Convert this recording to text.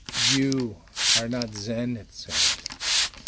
"You ... are not Zen," it said.